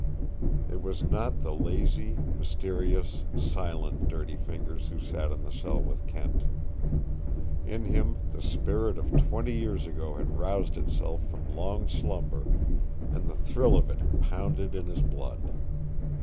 It was not the lazy, mysterious, silent Dirty Fingers who sat in the cell with Kent. In him the spirit of twenty years ago had roused itself from long slumber, and the thrill of it pounded in his blood.